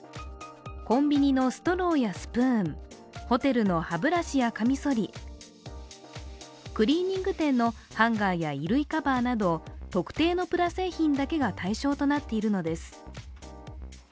コンビニのストローやスプーンホテルの歯ブラシやかみそり、クリーニング店のハンガーや衣類カバーなど特定のプラ製品だけが対象となっているのです。